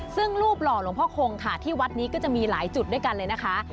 ซึ่งรูปหล่อหลวงพ่อคงค่ะที่วัดนี้ก็จะมีหลายจุดด้วยกันเลยนะคะ